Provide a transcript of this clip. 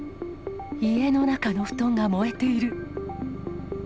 家の中の布団が燃えている。